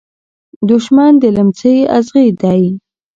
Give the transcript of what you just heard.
دښمن د لمڅی ازغي دی .